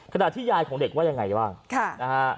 ขณะที่ยายของเด็กว่าอย่างไรบ้าง